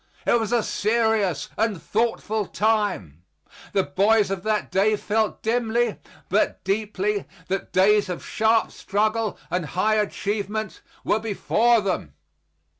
It was a serious and thoughtful time. The boys of that day felt dimly, but deeply, that days of sharp struggle and high achievement were before them.